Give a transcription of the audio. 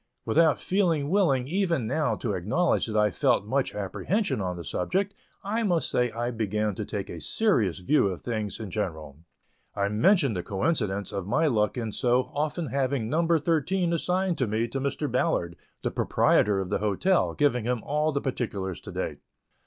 Without feeling willing even now to acknowledge that I felt much apprehension on the subject, I must say I began to take a serious view of things in general. I mentioned the coincidence of my luck in so often having "number thirteen" assigned to me to Mr. Ballard, the proprietor of the hotel, giving him all the particulars to date.